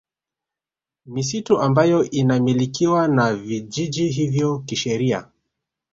Misitu ambayo inamilikiwa na vijiji hivyo kisheria